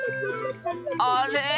あれ？